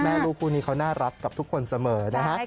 ลูกคู่นี้เขาน่ารักกับทุกคนเสมอนะฮะ